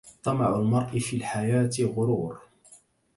طمع المرء في الحياة غرور